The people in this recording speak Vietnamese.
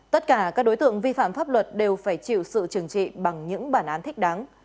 tất cả các đối tượng vi phạm pháp luật đều phải chịu sự trừng trị bằng những bản án thích đáng